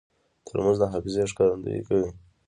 ترموز د حافظې ښکارندویي کوي.